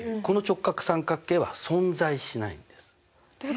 この直角三角形は存在しないんです。